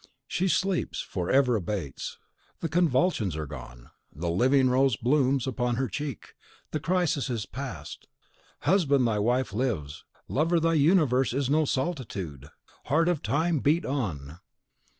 She sleeps: the fever abates; the convulsions are gone; the living rose blooms upon her cheek; the crisis is past! Husband, thy wife lives; lover, thy universe is no solitude! Heart of Time, beat on!